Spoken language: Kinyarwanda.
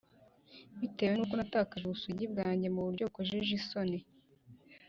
bitewe n uko natakaje ubusugi bwanjye mu buryo bukojeje isoni